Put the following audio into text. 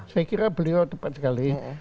saya kira beliau tepat sekali